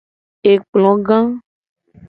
Ekplo ga.